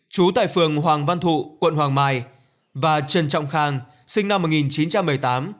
chú tại phường hoàng văn thụ quận hoàng mai và trần trọng khang sinh năm một nghìn chín trăm bảy mươi tám